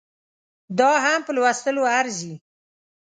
دا هم په لوستلو ارزي